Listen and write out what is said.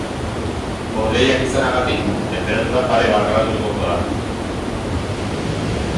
Hodeiak izanagatik, tenperatura pare bat gradu igoko da.